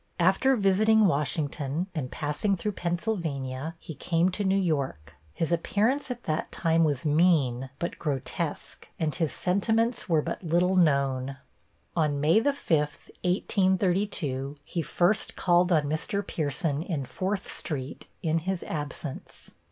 After visiting Washington, and passing through Pennsylvania, he came to New York. His appearance at that time was mean, but grotesque, and his sentiments were but little known. On May the 5th, 1832, he first called on Mr. Pierson, in Fourth street, in his absence.